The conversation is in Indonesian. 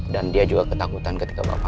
dan dia juga ketakutan ketika bapak